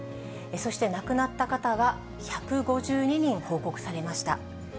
そして亡くなった方が１５２人報告されました。